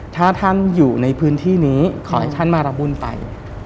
ถ้าท่านอยู่ในพื้นที่นี้ขอให้ท่านมารับบุญไป